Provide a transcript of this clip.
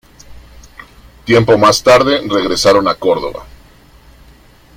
Tiempo más tarde, regresaron a Córdoba.